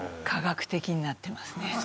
科学的になってますね。